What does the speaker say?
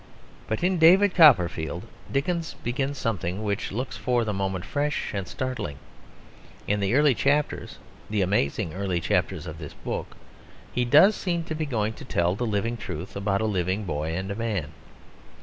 But in David Copperfield Dickens begins something which looks for the moment fresh and startling. In the earlier chapters (the amazing earlier chapters of this book) he does seem to be going to tell the living truth about a living boy and man.